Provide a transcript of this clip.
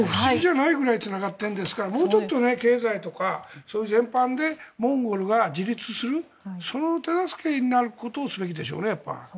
つながっているんですからもうちょっと経済とかそういう全般でモンゴルが自立するその手助けになることをすべきでしょうね。